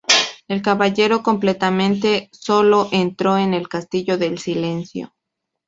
El Caballero, completamente solo, entró en el castillo del silencio.